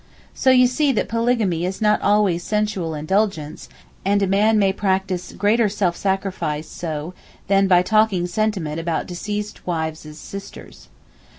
So you see that polygamy is not always sensual indulgence, and a man may practise greater self sacrifice so than by talking sentiment about deceased wives' sisters.